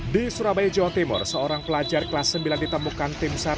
di surabaya jawa timur seorang pelajar kelas sembilan ditemukan tim sar